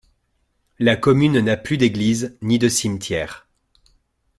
La commune n'a plus d'église, ni de cimetière.